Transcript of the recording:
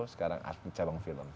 sekarang atlet cabang film